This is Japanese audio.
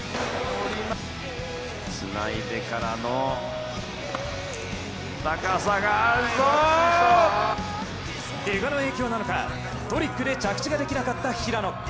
つないでからの、高さがけがの影響なのかトリックで着地ができなかった平野。